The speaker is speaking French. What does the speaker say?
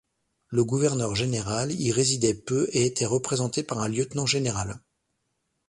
Le gouverneur général y résidait peu et était représenté par un lieutenant général.